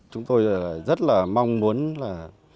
chúng tôi rất là mong muốn là